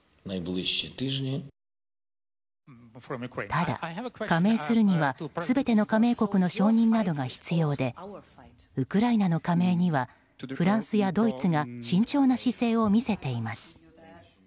ただ加盟するには全ての加盟国の承認などが必要でウクライナの加盟にはフランスやドイツが慎重な姿勢を見せています。